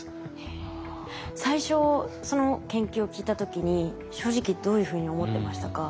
最初その研究を聞いた時に正直どういうふうに思ってましたか？